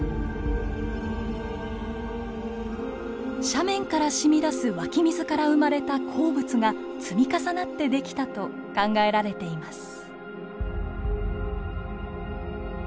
斜面からしみ出す湧き水から生まれた鉱物が積み重なって出来たと考えられています。